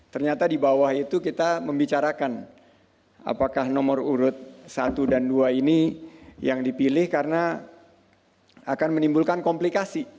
ternyata di bawah itu kita membicarakan apakah nomor urut satu dan dua ini yang dipilih karena akan menimbulkan komplikasi